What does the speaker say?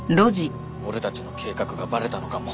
俺たちの計画がバレたのかも。